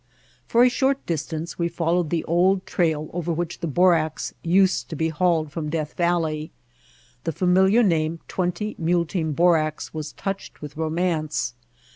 For a short distance we followed the old trail over which the borax used to be hauled from Death Valley. The familiar name, "Twenty Mule Team Borax," was touched with romance.